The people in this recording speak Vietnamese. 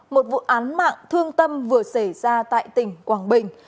một vụ án mạng thương tâm vừa xảy ra tại tỉnh quảng bình